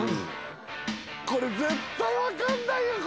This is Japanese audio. これ絶対わかんないよ！